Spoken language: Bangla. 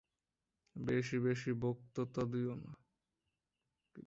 বেশি বেশি বক্তৃতা দিও না।